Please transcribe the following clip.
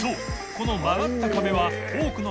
この曲がった壁は燭涼譴